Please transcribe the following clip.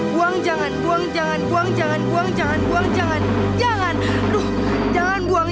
buang jangan buang jangan buang jangan buang jangan